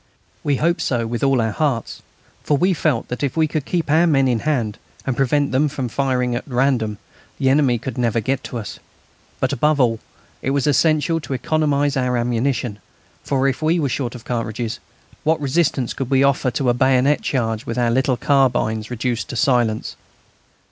We hoped so with all our hearts, for we felt that if we could keep our men in hand, and prevent them from firing at random, the enemy could never get at us. But, above all, it was essential to economise our ammunition, for if we were short of cartridges, what resistance could we offer to a bayonet charge with our little carbines reduced to silence?